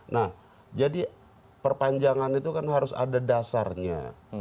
nah jadi perpanjangan itu kan harus ada dasarnya